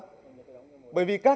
tổ chức tổng liên đoàn lao động việt nam